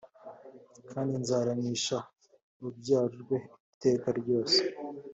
kandi nzaramisha urubyaro rwe iteka ryose